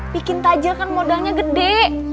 bikin taja kan modalnya gede